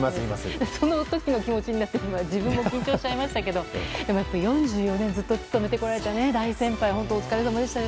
その時の気持ちになって自分も緊張しちゃいましたけどでもやっぱり、４４年ずっと務めてこられた大先輩本当お疲れさまでした。